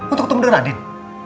untuk ketemu dengan adin